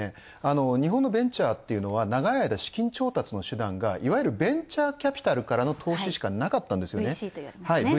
日本のベンチャーっていうのは、長い間資金調達のほうほうがいわゆるベンチャーキャピタルからしかなかった。